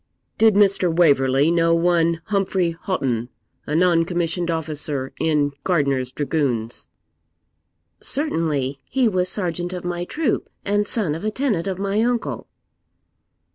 'Did Mr. Waverley know one Humphry Houghton, a non commissioned officer in Gardiner's dragoons?' 'Certainly; he was sergeant of my troop, and son of a tenant of my uncle.'